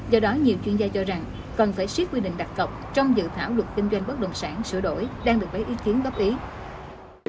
do đó nhiều chuyên gia cho rằng cần phải siết quy định đặt cọc trong dự thảo luật kinh doanh bất đồng sản sửa đổi đang được lấy ý kiến góp ý